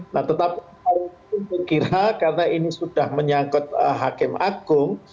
nah tetapi saya kira karena ini sudah menyangkut hakim agung